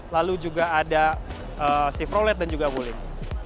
lalu juga ada chevrolet dan juga wuling